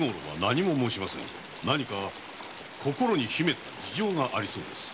何か心に秘めた事情がありそうです。